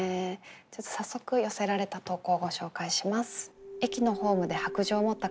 早速寄せられた投稿をご紹介します。